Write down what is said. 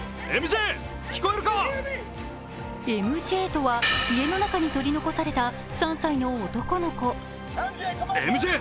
ＭＪとは、家の中に取り残された３歳の男の子。